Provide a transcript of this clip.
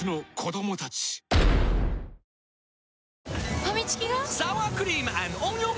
ファミチキが！？